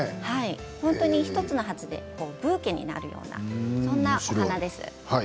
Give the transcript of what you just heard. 本当に１つの鉢でブーケになるようなそんなお花です。